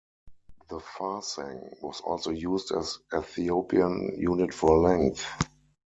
The farsang was also used as Ethiopian unit for length.